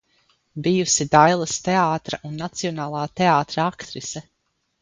Bijusi Dailes teātra un Nacionālā teātra aktrise.